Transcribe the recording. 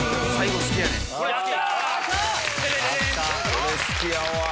これ好きやわ。